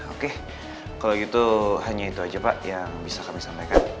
oke kalau gitu hanya itu aja pak yang bisa kami sampaikan